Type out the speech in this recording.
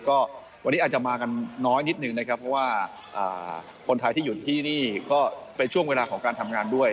ก็วันนี้อาจจะมากันน้อยนิดหนึ่งนะครับเพราะว่าคนไทยที่อยู่ที่นี่ก็เป็นช่วงเวลาของการทำงานด้วย